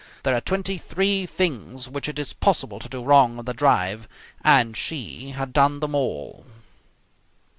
There are twenty three things which it is possible to do wrong in the drive, and she had done them all.